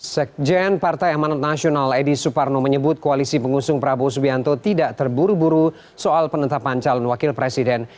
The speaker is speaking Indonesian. sekjen partai amanat nasional edi suparno menyebut koalisi pengusung prabowo subianto tidak terburu buru soal penetapan calon wakil presiden